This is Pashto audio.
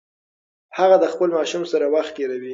هغه د خپل ماشوم سره وخت تیروي.